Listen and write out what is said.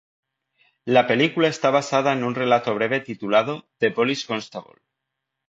La película esta basada en un relato breve titulado "The Police Constable".